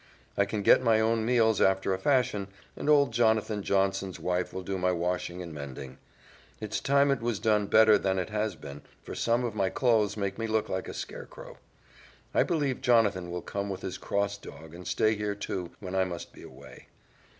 I can get my own meals after a fashion, and old Jonathan Johnson's wife will do my washing and mending. It's time it was done better than it has been, for some of my clothes make me look like a scarecrow. I believe Jonathan will come with his cross dog and stay here too, when I must be away.